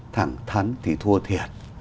thẳng thắn thì thua thiệt